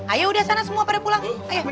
ayo udah sana semua pada pulang